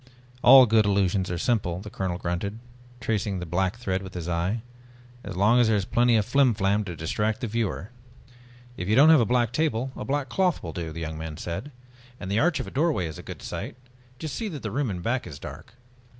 "All good illusions are simple," the colonel grunted, tracing the black thread with his eye. "As long as there is plenty of flimflam to distract the viewer." "If you don't have a black table, a black cloth will do," the young man said. "And the arch of a doorway is a good site, just see that the room in back is dark."